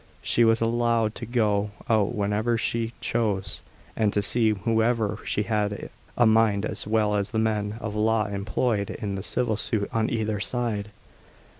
She was allowed to go out whenever she chose, and to see whomsoever she had a mind, as well as the men of law employed in the civil suit on either side.